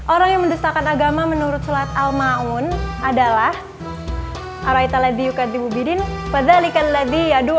orang yang mendustakan agama menurut surat al ma'un adalah